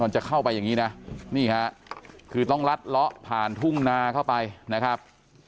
จะเข้าไปอย่างนี้นะนี่ฮะคือต้องลัดเลาะผ่านทุ่งนาเข้าไปนะครับ